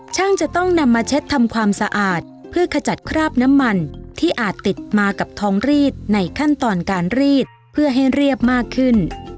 จะต้องนำมาเช็ดทำความสะอาดเพื่อขจัดคราบน้ำมันที่อาจติดมากับท้องรีดในขั้นตอนการรีดเพื่อให้เรียบมากขึ้น